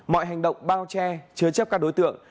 mọi hành động bao che chứa chấp các đối tượng